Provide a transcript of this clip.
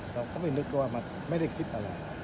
แล้วเขาไปนึกด้วยว่าไม่ได้คิดอะไร